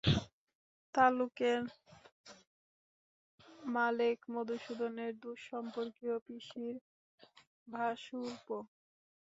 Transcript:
তালুকের মালেক মধুসূদনের দূরসম্পর্কীয় পিসির ভাশুরপো।